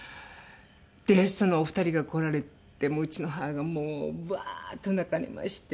でそのお二人が来られてうちの母がもうバーッと泣かれまして。